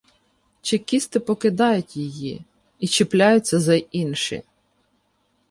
Чекісти покидають її і чіпляються за інші.